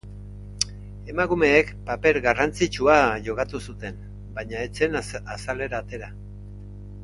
Emakumeek paper garrantzitsua jokatu zuten, baina ez zen azalera atera.